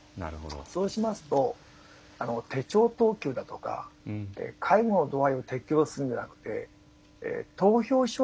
そうしますと手帳等級だとか介護の度合いを適用するんじゃなくて投票障害という考え方。